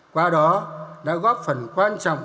qua đó đã góp phần quan trọng